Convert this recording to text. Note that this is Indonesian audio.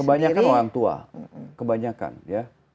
kebanyakan orang tua kebanyakan ya